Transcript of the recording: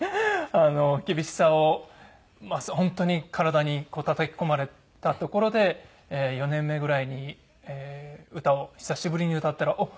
厳しさを本当に体に叩き込まれたところで４年目ぐらいに歌を久しぶりに歌ったらあっ